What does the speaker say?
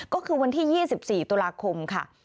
ก็คือวันที่๒๔ตุลาคมค่ะ